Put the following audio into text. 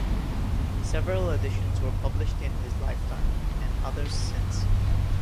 Several editions were published in his lifetime, and others since.